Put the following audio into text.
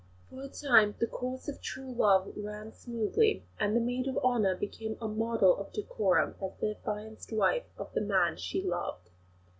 For a time the course of true love ran smoothly, and the maid of honour became a model of decorum as the affianced wife of the man she loved.